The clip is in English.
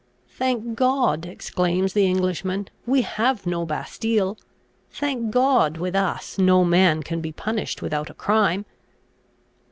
"Thank God," exclaims the Englishman, "we have no Bastile! Thank God, with us no man can be punished without a crime!"